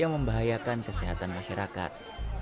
membahayakan kesehatan masyarakat